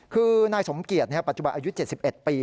คือนายสมเกียจปัจจุบันอายุ๗๑ปี